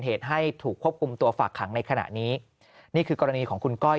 เหตุให้ถูกควบคุมตัวฝากขังในขณะนี้นี่คือกรณีของคุณก้อย